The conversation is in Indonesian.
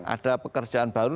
ada pekerjaan baru